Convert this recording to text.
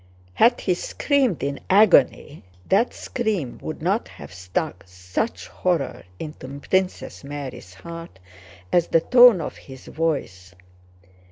Had he screamed in agony, that scream would not have struck such horror into Princess Mary's heart as the tone of his voice.